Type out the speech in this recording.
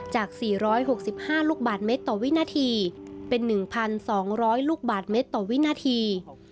จาก๔๖๕ลูกบาทเมตรต่อวินาทีเป็น๑๒๐๐ลูกบาทเมตรต่อวินาที